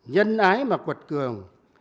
nhân ái mà quật cường